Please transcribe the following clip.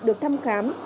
được thăm khám